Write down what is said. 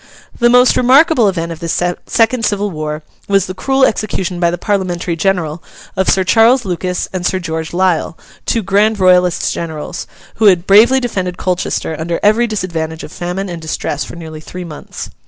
The most remarkable event of this second civil war was the cruel execution by the Parliamentary General, of Sir Charles Lucas and Sir George Lisle, two grand Royalist generals, who had bravely defended Colchester under every disadvantage of famine and distress for nearly three months.